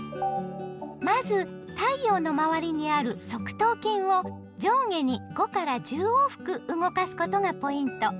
まず太陽の周りにある側頭筋を上下に５１０往復動かすことがポイント。